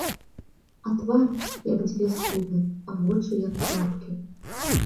А твар, як дзве скулы, а вочы, як крапкі.